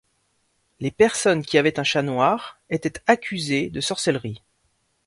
Les personnes qui avaient un chat noir étaient accusés de sorcellerie.